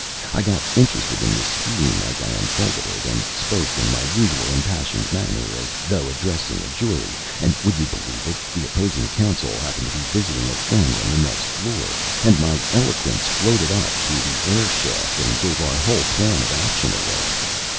I got interested in the scheme as I unfolded it, and spoke in my usual impassioned manner, as though addressing a jury, and, would you believe it, the opposing counsel happened to be visiting a friend on the next floor, and my eloquence floated up through the air shaft, and gave our whole plan of action away.